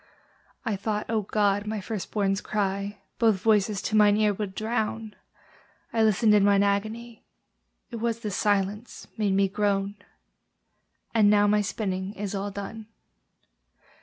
I thought, O God! my first born's cry Both voices to mine ear would drown: I listened in mine agony, It was the silence made me groan! And now my spinning is all done.